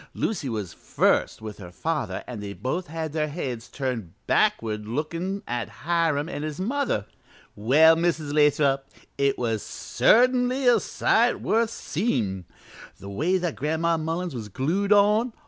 Lucy was first with her father an' they both had their heads turned backward lookin' at Hiram an' his mother. "Well, Mrs. Lathrop, it was certainly a sight worth seem'! The way that Gran'ma Mullins was glued on!